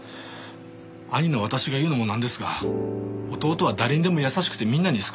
兄の私が言うのもなんですが弟は誰にでも優しくてみんなに好かれてました。